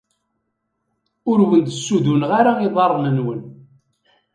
Ur wen-d-suduneɣ ara iḍaṛṛen-nwen.